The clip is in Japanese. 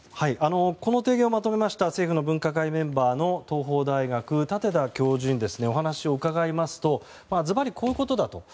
この提言をまとめました政府の分科会メンバーの東邦大学、舘田教授にお話を伺いますとずばり、こういうことだと。